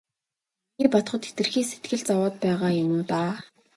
Миний бодоход хэтэрхий сэтгэл зовоод байгаа юм уу даа.